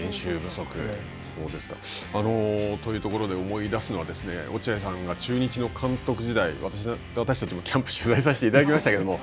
そうですか。というところで思い出すのは落合さんが中日の監督時代私たちもキャンプ取材させていただきましたけれども。